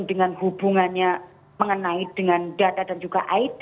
dengan hubungannya mengenai dengan data dan juga it